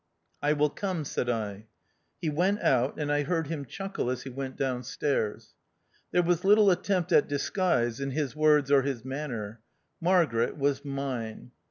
"I will come," said I. He went out, and I heard him chuckle as he went down stairs. There was little attempt at disguise in his words or his manner. Margaret was mine!